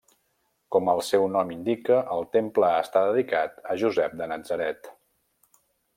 Com el seu nom indica el temple està dedicat a Josep de Natzaret.